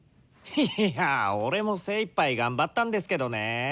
いや俺も精いっぱい頑張ったんですけどね。